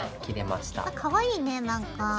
かわいいねなんか。